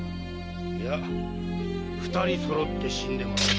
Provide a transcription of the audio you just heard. いや二人そろって死んでもらう。